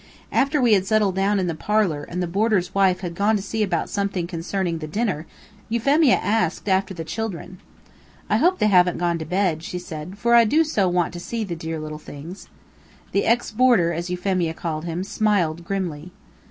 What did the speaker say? After we had settled down in the parlor and the boarder's wife had gone to see about something concerning the dinner, Euphemia asked after the children. "I hope they haven't gone to bed," she said, "for I do so want to see the dear little things." The ex boarder, as Euphemia called him, smiled grimly.